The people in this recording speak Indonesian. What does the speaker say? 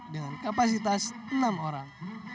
dengan kapasitas enam orang